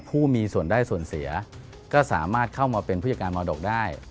ผู้มีส่วนได้ส่วนเสียก็สามารถเข้ามาเป็นผู้จัดการมรดกได้